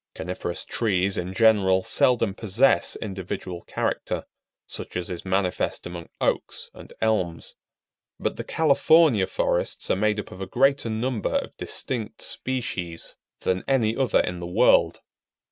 Coniferous trees, in general, seldom possess individual character, such as is manifest among Oaks and Elms. But the California forests are made up of a greater number of distinct species than any other in the world.